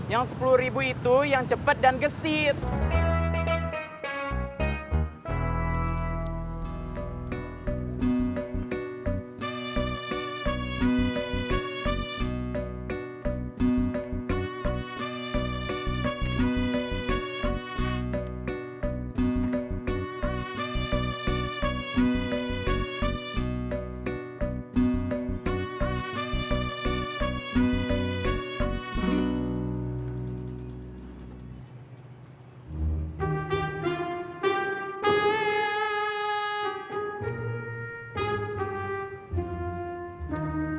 yang sepuluh itu yang cepet dan gesit